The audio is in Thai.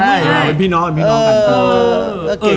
ใช่เป็นพี่น้องแบบนึง